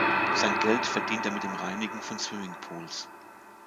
Sein Geld verdient er mit dem Reinigen von Swimmingpools.